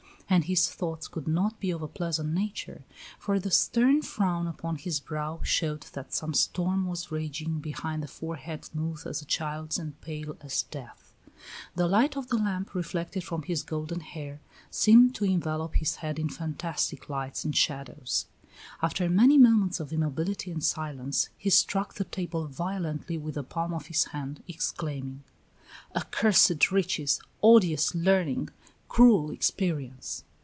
And his thoughts could not be of a pleasant nature, for the stern frown upon his brow showed that some storm was raging behind that forehead smooth as a child's and pale as death. The light of the lamp, reflected from his golden hair, seemed to envelop his head in fantastic lights and shadows. After many moments of immobility and silence, he struck the table violently with the palm of his hand, exclaiming: "Accursed riches! Odious learning! Cruel experience!"